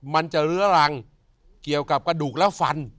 มันจะเรื้อรังเกี่ยวกับกระดูกและฟัน